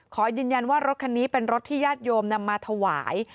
ขอยืนยันว่ารถคันนี้เป็นรถที่ญาติโยมนำมาถวาย